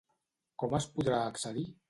Com es podrà accedir?